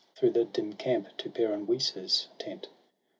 Through the dim camp to Peran Wisa's tent.